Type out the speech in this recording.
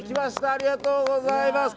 ありがとうございます！